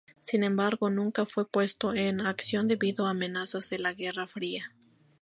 Sin embargo nunca fue puesto en acción debido a amenazas de la Guerra Fría.